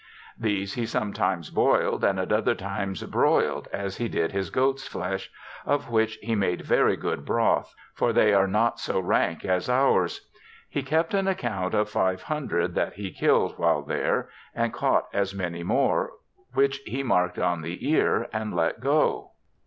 These he sometimes boiled, and at others broiled as he did his goats flesh, of which he made very good broth, for they are not so rank as ours; he kept an account of 500 that he kiH'd while there, and caught as many more, which he marked on the ear and let go.